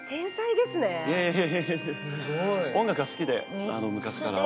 「音楽が好きで昔から」